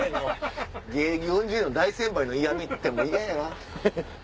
芸歴４０年の大先輩の嫌みって嫌やわ。